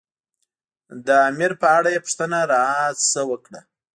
د امر په اړه یې پوښتنه را نه وکړه.